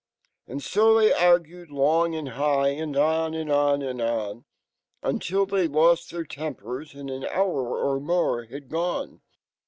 And sofheyaraued long and high, and on, and on, an don, Until fhey lost their tempers , ana anhour or m<>re had gone.